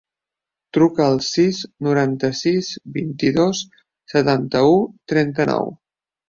Truca al sis, noranta-sis, vint-i-dos, setanta-u, trenta-nou.